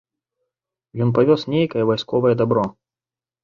Ён павёз нейкае вайсковае дабро.